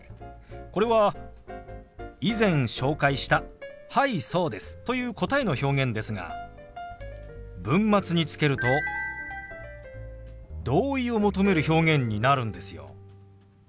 これは以前紹介した「はいそうです」という答えの表現ですが文末につけると同意を求める表現になるんですよ。